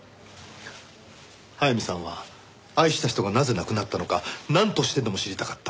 早見さんは愛した人がなぜ亡くなったのかなんとしてでも知りたかった。